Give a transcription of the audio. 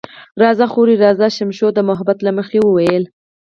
راځه خورې، راځه، شمشو د محبت له مخې وویل.